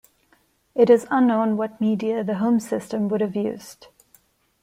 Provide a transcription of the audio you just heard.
It is unknown what media the home system would have used.